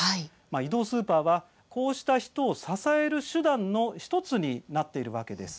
移動スーパーはこうした人を支える手段の１つになっているわけです。